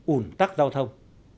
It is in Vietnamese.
ủn tắc giao thông